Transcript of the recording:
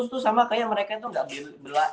itu sama kayak mereka itu gak belah